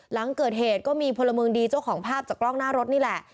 หลังเกิดเหตุก็มีพลเมืองดีเจ้าของภาพจากกล้องหน้ารถนี่แหละ